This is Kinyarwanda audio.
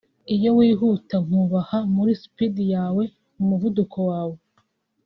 Iyo wihuta nkubaha muri Speed yawe [Mu muvuduko wawe]